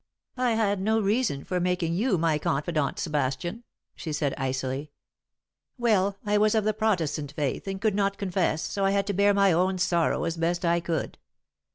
"I had no reason for making you my confidant, Sebastian," she said, icily. "Well, I was of the Protestant faith, and could not confess, so I had to bear my own sorrow as best I could.